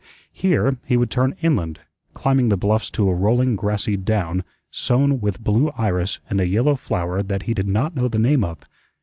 Here he would turn inland, climbing the bluffs to a rolling grassy down sown with blue iris and a yellow flower that he did not know the name of.